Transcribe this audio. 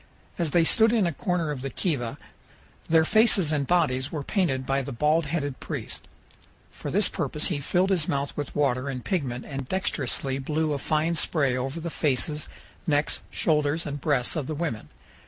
As they stood in a corner of the kiva their faces and bodies were painted by the bald headed priest. For this purpose he filled his mouth with water and pigment and dexterously blew a fine spray over the faces, necks, shoulders, and breasts of the women.